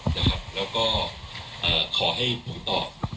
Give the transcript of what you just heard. นะคะแล้วก็คอให้ผมตอบ